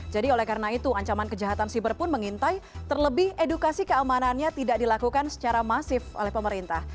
jadi oleh karena itu ancaman kejahatan siber pun mengintai terlebih edukasi keamanannya tidak dilakukan secara masif oleh pemerintah